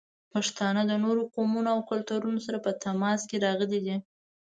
پښتانه د نورو قومونو او کلتورونو سره په تماس کې راغلي دي.